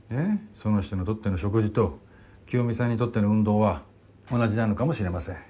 その人にとっての食事と清美さんにとっての運動は同じなのかもしれません。